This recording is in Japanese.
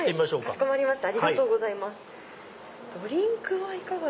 かしこまりました。